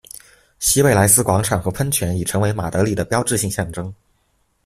西贝莱斯广场和喷泉已成为马德里的标志性象征。